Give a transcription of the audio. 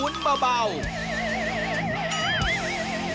ลูกพี่นับไปก่อนแล้ว